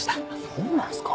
そうなんすか。